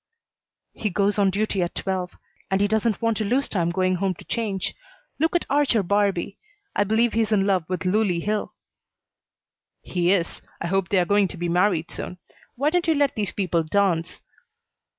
"He goes on duty at twelve, and he doesn't want to lose time going home to change. Look at Archer Barbee. I believe he's in love with Loulie Hill." "He is. I hope they are going to be married soon. Why don't you let these people dance?"